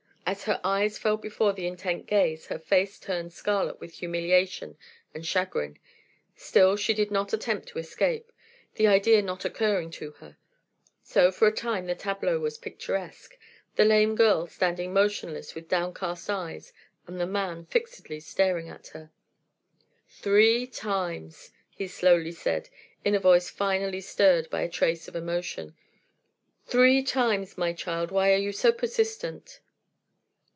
As her eyes fell before the intent gaze her face turned scarlet with humiliation and chagrin. Still, she did not attempt to escape, the idea not occurring to her; so for a time the tableau was picturesque the lame girl standing motionless with downcast eyes and the man fixedly staring at her. "Three times!" he slowly said, in a voice finally stirred by a trace of emotion. "Three times. My child, why are you so persistent?"